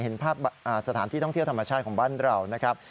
เห็นภาพสถานที่ท่องเที่ยวธรรมชาติของบ้านเรานะครับ